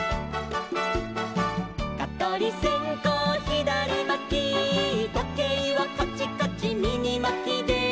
「かとりせんこうひだりまき」「とけいはカチカチみぎまきで」